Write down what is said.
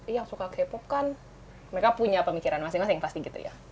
iya suka k pop kan mereka punya pemikiran masing masing pasti gitu ya